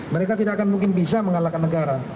mereka tidak akan mungkin bisa mengalahkan negara